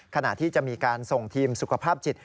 ขณะที่จะมีการส่งทีมสุขภาพจิต